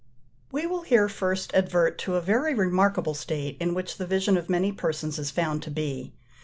We will here first advert to a very remarkable state in which the vision of many persons is found to be.